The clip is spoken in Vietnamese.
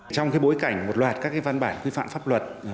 trong bối cảnh một loạt các văn bản quy phạm pháp luật